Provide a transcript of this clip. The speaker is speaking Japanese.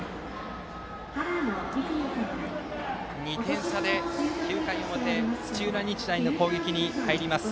２点差で９回表土浦日大の攻撃に入ります。